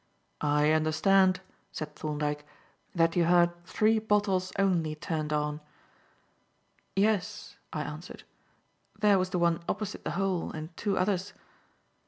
"I understand," said Thorndyke, "that you heard three bottles only turned on?" "Yes," I answered; "there was the one opposite the hole and two others."